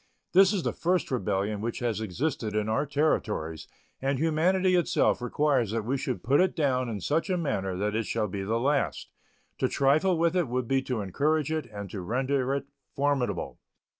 This is the first rebellion which has existed in our Territories, and humanity itself requires that we should put it down in such a manner that it shall be the last. To trifle with it would be to encourage it and to render it formidable.